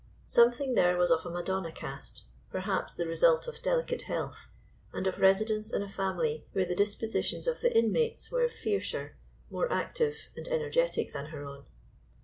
Something there was of a Madonna cast, perhaps the result of delicate health, and of residence in a family where the dispositions of the inmates were fiercer, more active, and energetic than her own.